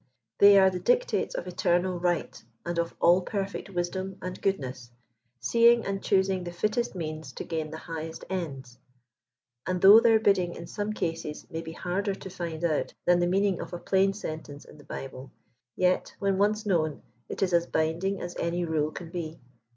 They are the dictates of eternal Right and of altperfect Wisdom and Good ness, seeing and choosing the fittest means to gain the highest ends ; and though their bidding in some cases may be harder to find out than the meaning of a plain sentence in the Bible^ yet, when once known, it is as binding as any rule can be.